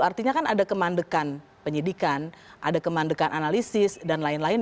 artinya kan ada kemandekan penyidikan ada kemandekan analisis dan lain lain